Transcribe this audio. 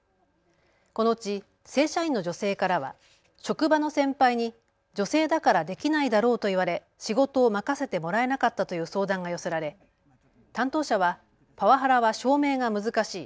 このうち正社員の女性からは職場の先輩に女性だからできないだろうと言われ仕事を任せてもらえなかったという相談が寄せられ、担当者はパワハラは証明が難しい。